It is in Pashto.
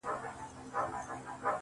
د هغه هر وخت د ښکلا خبر په لپه کي دي~